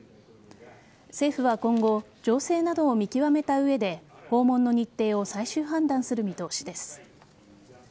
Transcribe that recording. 政府は今後情勢などを見極めた上で訪問の日程を最終判断する見通しです。